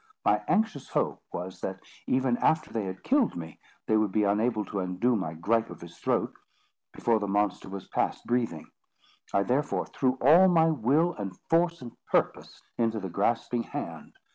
My anxious hope was, that, even after they had killed me, they would be unable to undo my gripe of his throat, before the monster was past breathing. I therefore threw all my will, and force, and purpose, into the grasping hand.